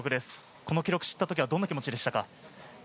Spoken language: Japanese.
この記録を知ったときはどんな気持ちでしたか？